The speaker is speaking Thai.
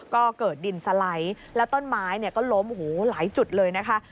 ก็เกิดดินสลายและต้นไม้ก็ล้มหูหลายจุดเลยนะคะ